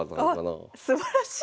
あっすばらしい。